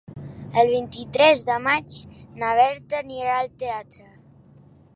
El vint-i-tres de maig na Berta anirà al teatre.